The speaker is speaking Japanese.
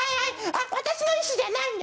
あっ私の意思じゃないんで。